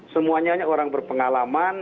semuanya orang berpengalaman